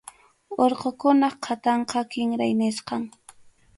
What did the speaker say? Urqukunap qhatanqa kinray nisqam.